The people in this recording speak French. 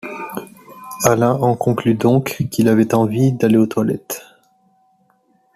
Alain en conclut donc qu'il a envie d'aller au toilettes.